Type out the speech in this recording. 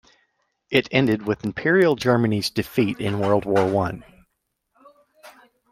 It ended with Imperial Germany's defeat in World War One.